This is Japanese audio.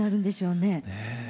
ねえ。